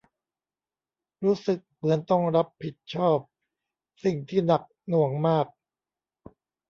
รู้สึกเหมือนต้องรับผิดชอบสิ่งที่หนักหน่วงมาก